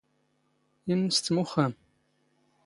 ⵉⵏⵏⵙⵜⵎ ⵓⵅⵅⴰⵎ.